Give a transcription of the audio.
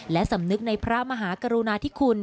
และสำนึกในพระมหากรุณาธิคุณ